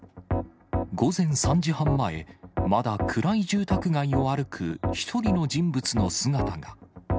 午前３時半前、まだ暗い住宅街を歩く１人の人物の姿が。